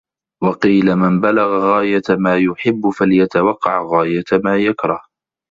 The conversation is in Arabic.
وَقِيلَ مَنْ بَلَغَ غَايَةَ مَا يُحِبُّ فَلْيَتَوَقَّعْ غَايَةَ مَا يَكْرَهُ